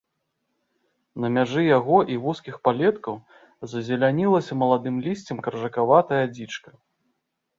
На мяжы яго і вузкіх палеткаў зазелянілася маладым лісцем каржакаватая дзічка.